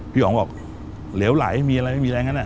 พี่อ๋องบอกเหลวไหลมีอะไร